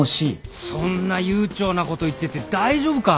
そんな悠長なこと言ってて大丈夫か？